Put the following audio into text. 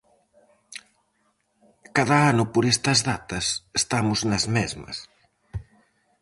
Cada ano por estas datas estamos nas mesmas.